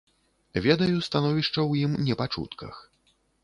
Ведаю становішча ў ім не па чутках.